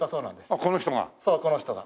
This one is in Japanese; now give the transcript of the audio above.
あっこの人が。